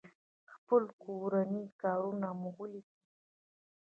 خپل کورني کارونه مو وليکئ!